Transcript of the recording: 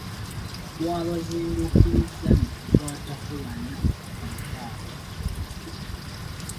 Twabazinduukirizza ne tukwatako bana ku mukaaga.